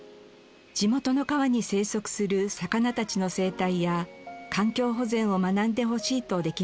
地元の川に生息する魚たちの生態や環境保全を学んでほしいとできました。